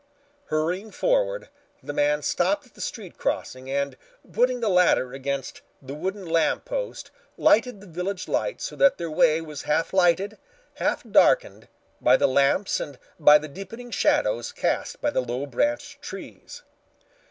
Hurrying forward, the man stopped at the street crossing and, putting the ladder against the wooden lamp post, lighted the village lights so that their way was half lighted, half darkened, by the lamps and by the deepening shadows cast by the low branched trees.